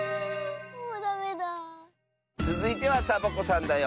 つづいてはサボ子さんだよ！